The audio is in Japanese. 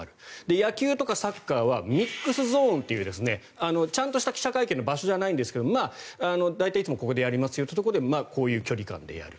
野球とかサッカーはミックスゾーンというちゃんとした記者会見の場所じゃないんですが大体いつもここでやりますよというところでこういう距離感でやる。